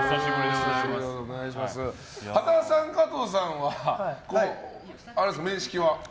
羽田さん、加藤さんは面識は？